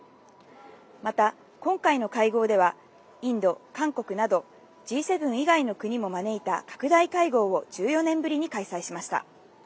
また、今回の会合では、インド、韓国など、Ｇ７以外の国も招いた拡大会合を、１４年ぶりに開催しました。